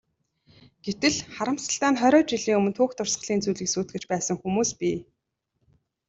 Гэтэл, харамсалтай нь хориод жилийн өмнө түүх дурсгалын зүйлийг сүйтгэж байсан хүмүүс бий.